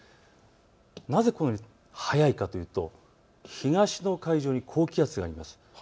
なぜ速いかというと東の海上に高気圧があります。